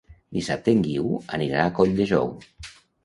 Dissabte en Guiu anirà a Colldejou.